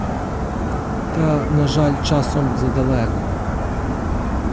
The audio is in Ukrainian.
Та, на жаль, часом задалеко.